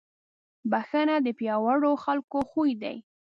بښنه د پیاوړو خلکو خوی دی.